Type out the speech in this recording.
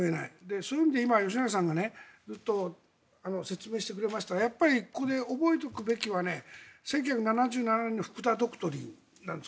そういう意味で今吉永さんがずっと、説明してくれましたがここで覚えておくべきは１９７７年の福田ドクトリンなんです。